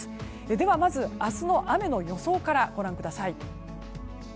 ではまず明日の雨の予想からご覧ください。